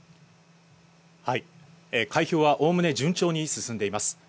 開票はおおむね順調に進んでいます。